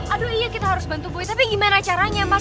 aduh iya kita harus bantu boy tapi gimana caranya